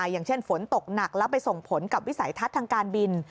อย่างเช่นฝนตกหนักแล้วไปส่งผลกับวิสัยทัศน์ทางการบิน